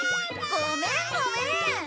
ごめんごめん。